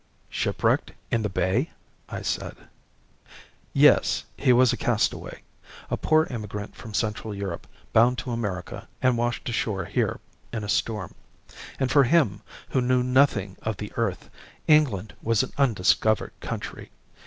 "Shipwrecked in the bay?" I said. "Yes; he was a castaway. A poor emigrant from Central Europe bound to America and washed ashore here in a storm. And for him, who knew nothing of the earth, England was an undiscovered country.